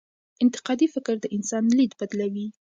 انتقادي فکر د انسان لید بدلوي.